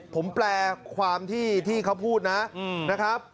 ผมแปลความที่เขาพูดนะครับ